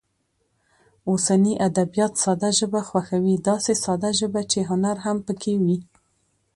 اوسني ادبیات ساده ژبه خوښوي، داسې ساده ژبه چې هنر هم پکې وي.